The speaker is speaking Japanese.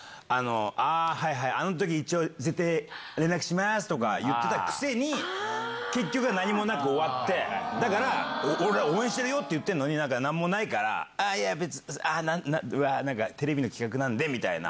ああ、はいはい、あのとき、一応絶対連絡しますとか言ってたくせに、結局は何もなく終わって、だから、俺は応援してるよって言ってるのに、なんかなんもないから、あぁ、いや、別に、なんか、テレビの企画なんでみたいな。